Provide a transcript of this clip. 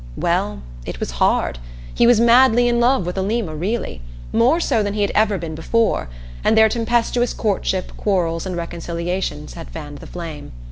Well it was hard. He was madly in love with Alima, really; more so than he had ever been before, and their tempestuous courtship, quarrels, and reconciliations had fanned the flame.